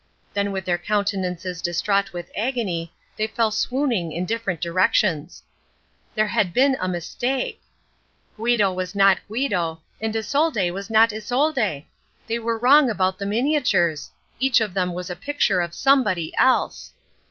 Then with their countenances distraught with agony they fell swooning in different directions. There had been a mistake! Guido was not Guido, and Isolde was not Isolde. They were wrong about the miniatures. Each of them was a picture of somebody else.